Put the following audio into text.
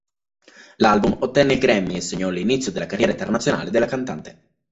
L'album ottenne il Grammy e segnò l'inizio della carriera internazionale della cantante.